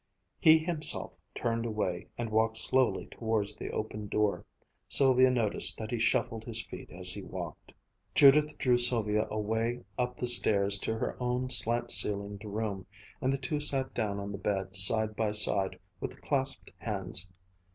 He himself turned away and walked slowly towards the open door. Sylvia noticed that he shuffled his feet as he walked. Judith drew Sylvia away up the stairs to her own slant ceilinged room, and the two sat down on the bed, side by side, with clasped hands.